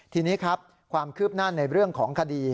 ทีนี้ครับความคืบหน้าในเรื่องของคดี